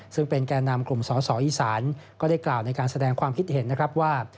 ซึ่งเป็นแก่นำกลุ่มสอสออีสานก็ได้กล่าวในการแสดงความคิดเห็นนะครับว่า